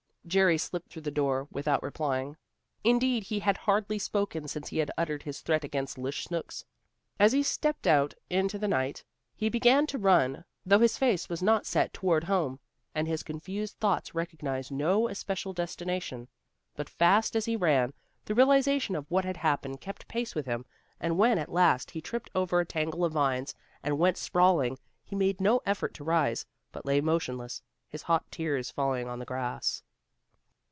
Jerry slipped through the door without replying. Indeed he had hardly spoken since he had uttered his threat against 'Lish Snooks. As he stepped out into the night, he began to run, though his face was not set toward home, and his confused thoughts recognized no especial destination. But fast as he ran, the realization of what had happened kept pace with him, and when at last he tripped over a tangle of vines, and went sprawling, he made no effort to rise, but lay motionless, his hot tears falling on the grass.